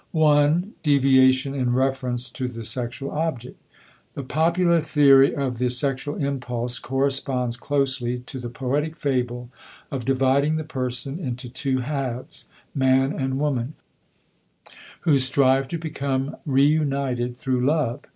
1. DEVIATION IN REFERENCE TO THE SEXUAL OBJECT The popular theory of the sexual impulse corresponds closely to the poetic fable of dividing the person into two halves man and woman who strive to become reunited through love.